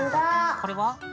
これは？